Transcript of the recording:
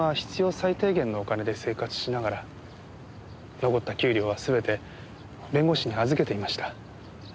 最低限のお金で生活しながら残った給料は全て弁護士に預けていました。